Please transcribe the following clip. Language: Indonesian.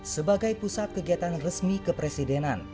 sebagai pusat kegiatan resmi kepresidenan